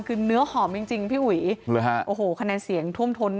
คือเนื้อหอมจริงจริงพี่อุ๋ยโอ้โหคะแนนเสียงท่วมท้น